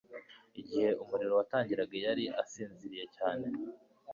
Igihe umuriro watangiraga yari asinziriye cyane